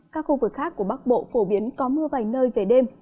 các khu vực khác của bắc bộ phổ biến có mưa vài nơi về đêm